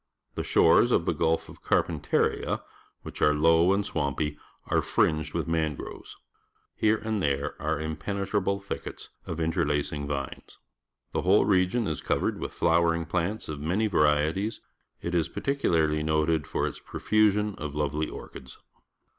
The shores of the Gidfoj^CsiifmLma, which are 238 AUSTRALIA 239 low and swampy, are fringed with mangroves . Here and there are impenetrablejiikikets of interlacins__Jiafi«s. The whole region is covered with flnwrrinc plnnt ^ of many varie ties. It is particularly pote d for its pro fusion of l ovely orchid s.